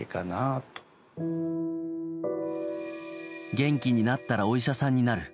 元気になったらお医者さんになる。